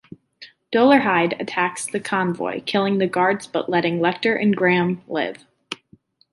Dolarhyde attacks the convoy, killing the guards but letting Lecter and Graham live.